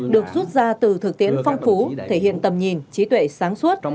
được rút ra từ thực tiễn phong phú thể hiện tầm nhìn trí tuệ sáng suốt